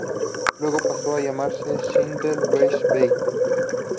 Luego pasó a llamarse "Sadler's Wells Ballet".